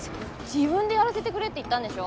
自分でやらせてくれって言ったんでしょ？